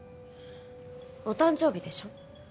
お誕生日でしょ？